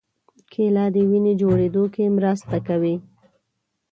کېله د وینې جوړېدو کې مرسته کوي.